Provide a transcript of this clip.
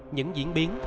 những diễn biến